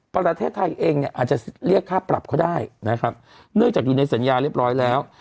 ประเทศไทยเองเนี่ยอาจจะเรียกค่าปรับเขาได้นะครับเนื่องจากอยู่ในสัญญาเรียบร้อยแล้ว